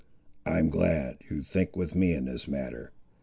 "I'm glad, you think with me in this matter.